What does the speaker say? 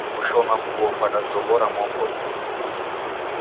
Kushoma vuo kudazoghora mwambori wodu.